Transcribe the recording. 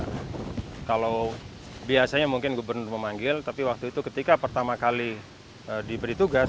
kalau biasanya mungkin gubernur memanggil tapi waktu itu ketika pertama kali diberi tugas